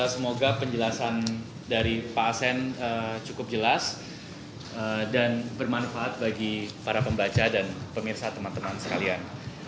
semoga penjelasan dari pak asen cukup jelas dan bermanfaat bagi para pembaca dan pemirsa teman teman sekalian